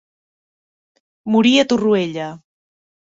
Morí a Torroella.